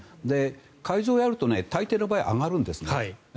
改造をやると大抵の場合上がるんですね。